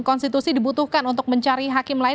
konstitusi dibutuhkan untuk mencari hakim lain